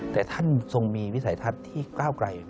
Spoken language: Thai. แต่ท่านทรงมีวิสัยทัศน์ที่ก้าวไกล